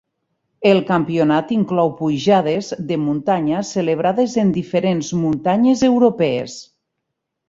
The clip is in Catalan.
El campionat inclou pujades de muntanya celebrades en diferents muntanyes europees.